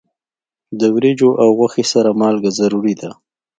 د وریجو او غوښې سره مالګه ضروری ده.